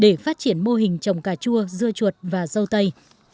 để phát triển mô hình trồng cà chua dưa chuột và dâu tây